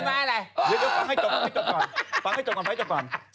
ฟังให้จบก่อนฟังให้จบก่อนฟังให้จบก่อนฟังให้จบก่อน